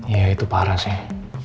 iya itu parah sih